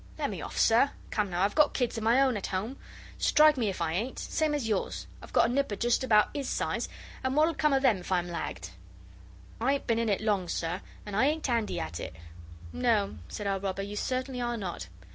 Let me off, sir. Come now, I've got kids of my own at home, strike me if I ain't same as yours I've got a nipper just about 'is size, and what'll come of them if I'm lagged? I ain't been in it long, sir, and I ain't 'andy at it.' 'No,' said our robber; 'you certainly are not.